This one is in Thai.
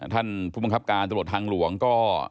ท่านผู้บังคับการตำรวจทางหลวงก็